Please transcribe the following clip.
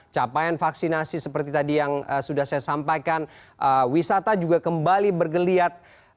capaian vaksinasi seperti tadi yang sudah saya sampaikan wisata juga kembali bergeliat